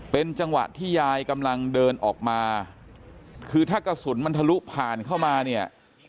เป็นจังหวะที่ยายกำลังเดินออกมาคือถ้ากระสุนมันทะลุผ่านเข้ามาเนี่ย